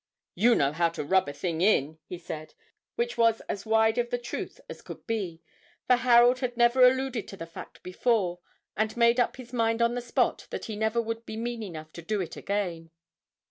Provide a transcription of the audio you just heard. "You know how to rub a thing in," he said, which was as wide of the truth as could be, for Harold had never alluded to the fact before, and made up his mind on the spot that he never would be mean enough to do it again.